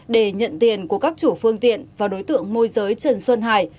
để nhận tiền của các chủ phương tiện và đối tượng môi giới trần xuân hải